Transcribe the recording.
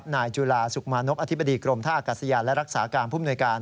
จุฬาสุขมานกอธิบดีกรมท่าอากาศยานและรักษาการผู้มนวยการ